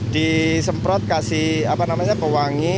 disemprot kasih apa namanya pewangi